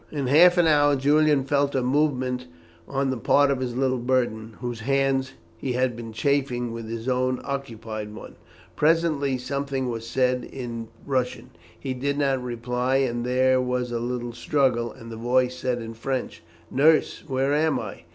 In half an hour Julian felt a movement on the part of his little burden, whose hands he had been chafing with his own unoccupied one. Presently something was said in Russian. He did not reply, and then there was a little struggle, and the voice said in French: "Nurse, where am I?